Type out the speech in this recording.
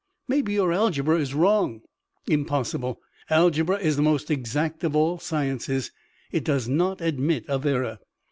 "Maybe your algebra is wrong?" "Impossible. Algebra is the most exact of all sciences. It does not admit of error.